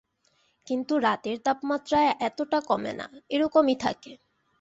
কিন্তু রাতের তাপমাত্রা এতটা কমে না, একইরকম থাকে।